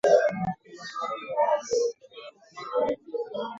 huku chama cha hezbollah kikitajwa kuhusika kwenye mauaji hayo